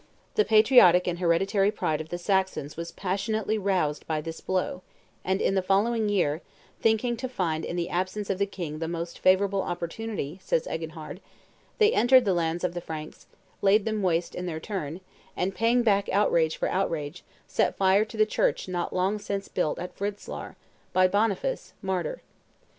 The patriotic and hereditary pride of the Saxons was passionately roused by this blow; and, the following year, "thinking to find in the absence of the king the most favorable opportunity," says Eginhard, they entered the lands of the Franks, laid them waste in their turn, and, paying back outrage for outrage, set fire to the church not long since built at Fritzlar, by Boniface, martyr.